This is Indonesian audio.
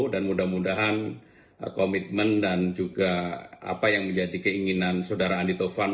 dan mudah mudahan komitmen dan juga apa yang menjadi keinginan saudara andi taufan